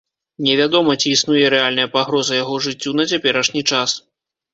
Невядома, ці існуе рэальная пагроза яго жыццю на цяперашні час.